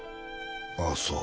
ああそう。